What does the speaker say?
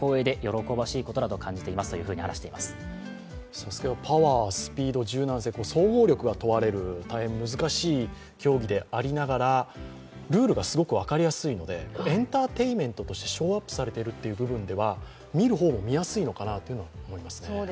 「ＳＡＳＵＫＥ」はパワー、スピード、柔軟性総合力が問われる大変難しい競技でありながらルールがすごく分かりやすいのでエンターテインメントとしてショーアップされているという部分では、見る方も見やすいのかなと思います。